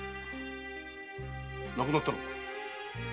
亡くなったのか？